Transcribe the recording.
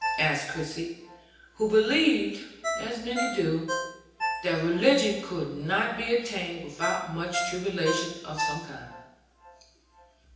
asked Christie, who believed, as many do, that religion could not be attained without much tribulation of some kind.